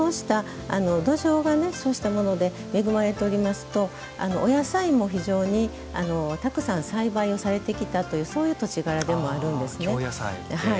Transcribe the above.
土壌がそうしたもので恵まれておりますとお野菜も非常にたくさん栽培をされてきたというそういう土地柄でもあるんですね。